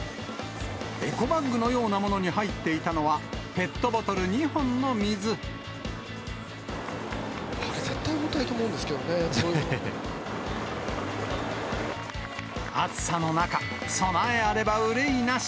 エコバッグのようなものに入っていたのは、あれ絶対、重たいと思うんで暑さの中、備えあれば憂いなし。